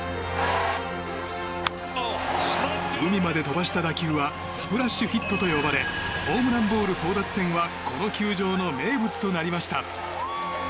海まで飛ばした打球はスプラッシュヒットと呼ばれホームランボール争奪戦はこの球場の名物となりました。